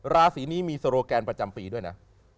ราศีนี้มีโซโลแกนประจำปีด้วยนะ